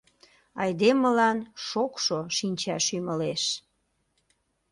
Айдемылан шокшо шинчаш ӱмылеш.